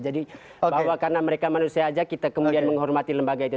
jadi bahwa karena mereka manusia aja kita kemudian menghormati lembaga itu